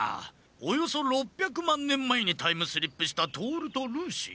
およそ６００まんねんまえにタイムスリップしたトオルとルーシー。